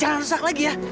jangan rusak lagi ya